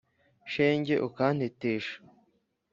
shenge ukantetesha